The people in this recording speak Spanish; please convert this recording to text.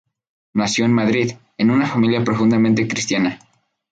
Nació en Madrid, en una familia profundamente cristiana.